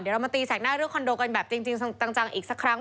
เดี๋ยวเรามาตีแสกหน้าเรื่องคอนโดกันแบบจริงจังอีกสักครั้ง